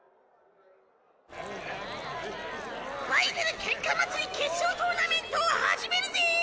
バイゼル喧嘩祭り決勝トーナメントを始めるぜ！